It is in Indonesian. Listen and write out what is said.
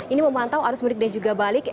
ini memantau arus mudik dan juga balik